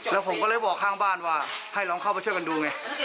แล้วผมก็เลยบอกข้างบ้านว่าให้ลองเข้าไปช่วยกันดูไง